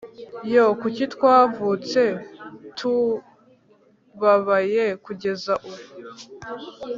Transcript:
yoo! kuki twavutse tubabaye kugeza ubu? ..